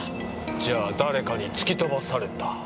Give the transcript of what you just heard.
じゃあ誰かに突き飛ばされた。